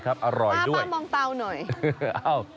ป้ามองเตาหน่อย